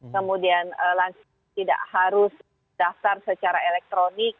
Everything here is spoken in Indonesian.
kemudian lansia tidak harus daftar secara elektronik